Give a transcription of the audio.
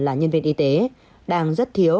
là nhân viên y tế đang rất thiếu